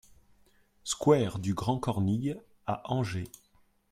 SQUARE DU GRAND CORNILLE à Angers